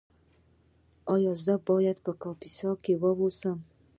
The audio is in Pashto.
ایا زه باید په کاپیسا کې اوسم؟